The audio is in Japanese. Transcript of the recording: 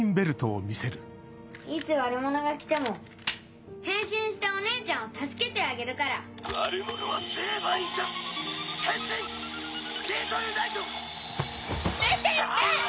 いつ悪者が来ても変身してお姉ちゃんを助けてあげるから悪者は成敗いたす変身ビートルナイト！